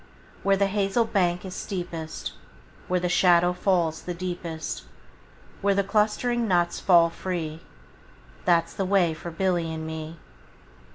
Where the hazel bank is steepest, Where the shadow falls the deepest, Where the clustering nuts fall free, 15 That 's the way for Billy and me.